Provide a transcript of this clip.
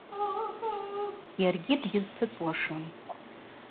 Йаргьи дгьызтыцӏуашым.